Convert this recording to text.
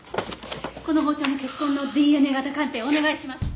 この包丁の血痕のＤＮＡ型鑑定をお願いします！